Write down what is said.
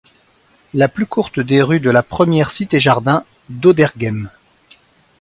La plus courte des rues de la première cité-jardin d’Auderghem.